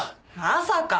まさか！